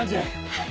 はい！